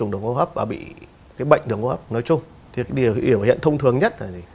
đường hô hấp bị cái bệnh đường hô hấp nói chung thì điều hiện thông thường nhất là gì